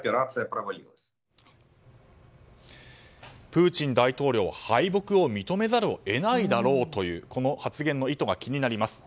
プーチン大統領敗北を認めざるを得ないだろうというこの発言の意図が気になります。